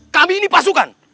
kami ini pasukan